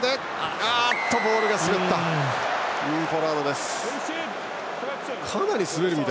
ボールが滑った。